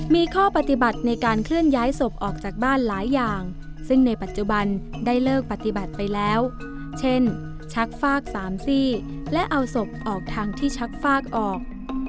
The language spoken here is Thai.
มีข้อปฏิบัติในการเคลื่อนย้ายศพออกจากบ้านหลายอย่างซึ่งในปัจจุบันได้เลิกปฏิบัติไปแล้วเช่นชักฟากสามซี่และเอาศพออกทางที่ชักฟากออก